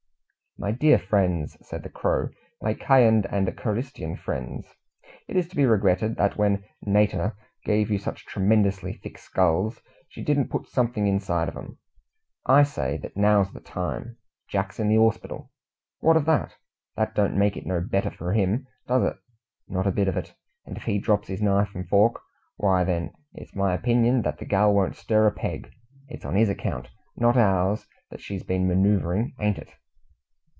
"My dear friends," said the Crow, "my keyind and keristian friends, it is to be regretted that when natur' gave you such tremendously thick skulls, she didn't put something inside of 'em. I say that now's the time. Jack's in the 'orspital; what of that? That don't make it no better for him, does it? Not a bit of it; and if he drops his knife and fork, why then, it's my opinion that the gal won't stir a peg. It's on his account, not ours, that she's been manoovering, ain't it?"